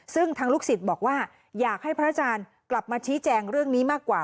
ซึ่งทางลูกศิษย์บอกว่าอยากให้พระอาจารย์กลับมาชี้แจงเรื่องนี้มากกว่า